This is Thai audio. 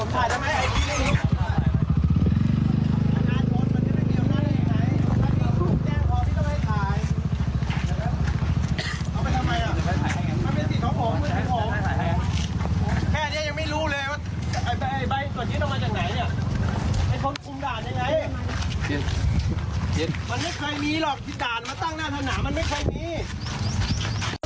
แค่นี้ยังไม่รู้เลยว่าไอ้ใบตรงนี้ต้องมาจากไหนเนี่ย